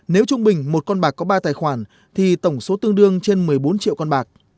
nếu trung bình một con bạc có ba tài khoản thì tổng số tương đương trên một mươi bốn triệu con bạc